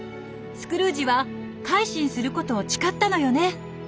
スクルージは改心することを誓ったのよね。